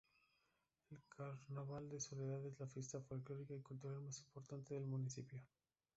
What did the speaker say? El carnaval de Soledad es la fiesta folclórica y cultural más importante del municipio.